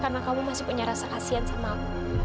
karena kamu masih punya rasa kasian sama aku